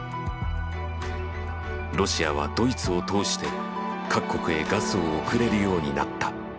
ロシアはドイツを通して各国へガスを送れるようになった。